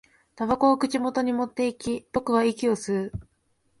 煙草を口元に持っていき、僕は息を吸う